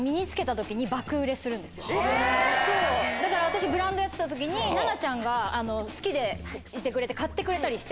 私ブランドやってた時に奈々ちゃんが好きでいてくれて買ってくれたりして。